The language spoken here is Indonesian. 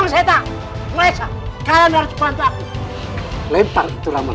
segera bunuh putramu